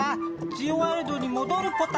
ジオワールドにもどるポタ。